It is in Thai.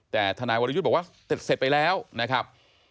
แต่ทนายวรยุทธ์บอกว่าเสร็จไปแล้วนะครับ